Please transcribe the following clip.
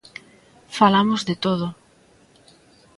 Falamos de todo.